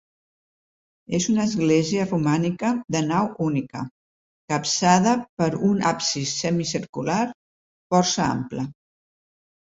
És una església romànica de nau única, capçada per un absis semicircular força ample.